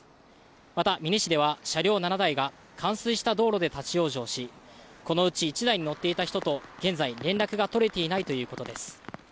また、美祢市では車両７台が冠水した道路で立ち往生し、このうち１台に乗っていた人と現在、連絡が取れていないということです。